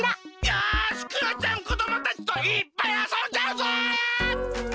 よしクヨちゃんこどもたちといっぱいあそんじゃうぞ！